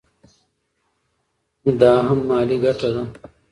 دا هم مالي ګټه ده.